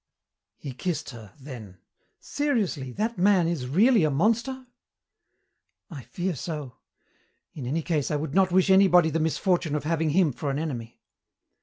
He kissed her, then, "Seriously, that man is really a monster?" "I fear so. In any case I would not wish anybody the misfortune of having him for an enemy."